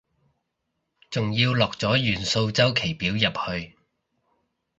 仲要落咗元素週期表入去